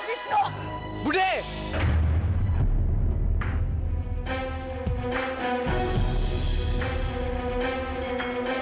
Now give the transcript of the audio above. kebetulan kamu disini